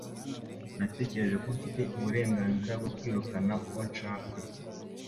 Natekereje ko mfite uburenganzira bwo kwirukana uwo nshaka.